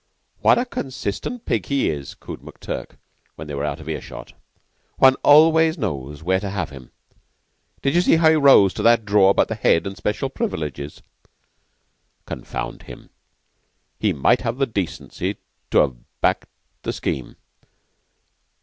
"What a consistent pig he is," cooed McTurk, when they were out of earshot. "One always knows where to have him. Did you see how he rose to that draw about the Head and special privileges?" "Confound him, he might have had the decency to have backed the scheme.